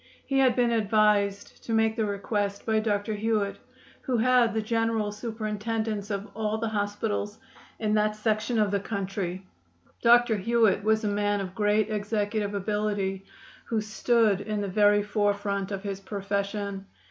He had been advised to make the request by Dr. Hewit, who had the general superintendence of all the hospitals in that section of the country. Dr. Hewit was a man of great executive ability, who stood in the very forefront of his profession.